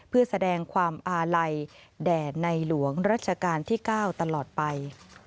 เพื่อแสดงความอาลัยแด่ในหลวงรัชกาลที่๙ตลอดไป